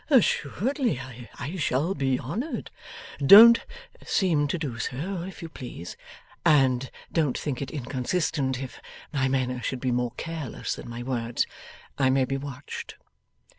'Assuredly. I shall be honoured.' 'Don't seem to do so, if you please, and don't think it inconsistent if my manner should be more careless than my words. I may be watched.